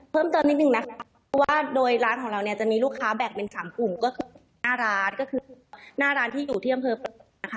เพิ่มเติมนิดนึงนะครับว่าโดยร้านของเรานี้จะมีลูกค้าแบกเป็น๓กลุ่มก็คือหน้าร้านหน้าร้านที่อยู่ที่อำเภอบริษัท